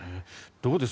どうです？